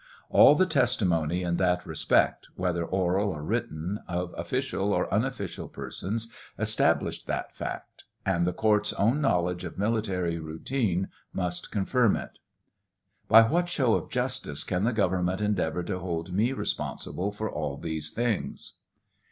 All the testimony in that respect, whether oral or written, of official or unoffi cial persons, established that fact ; and the court's own knowledge of military routine must confirm it. By what show of justice can the government endeavor to hold, me responsible for all these things